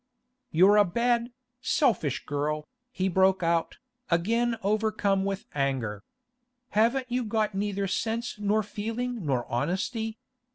'You're a bad, selfish girl!' he broke out, again overcome with anger. 'Haven't you got neither sense nor feelin' nor honesty?